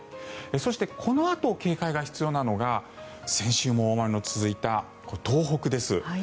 そしてこのあと警戒が必要なのが先週も大雨の続いた東北です。